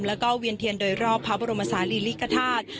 และเวียนเทียนด้วยรอบพระบริมอสาหรี่อิษฐาธิ์